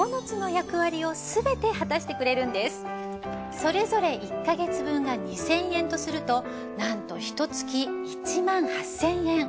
それぞれ１ヵ月分が２，０００円とするとなんとひと月１８，０００円。